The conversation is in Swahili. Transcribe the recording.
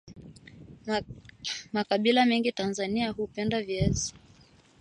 Makabila mengi Tanzania hupenda viazi